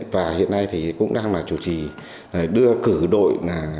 và hiện nay thì cũng đang là chủ trì đưa cử đội